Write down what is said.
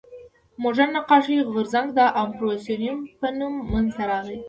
مډرن نقاشي غورځنګ د امپرسیونیېم په نوم منځ ته راغی.